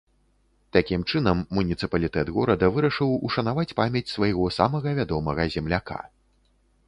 Такім чынам муніцыпалітэт горада вырашыў ушанаваць памяць свайго самага вядомага земляка.